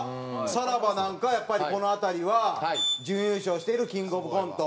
さらばなんかはやっぱりこの辺りは準優勝しているキングオブコント。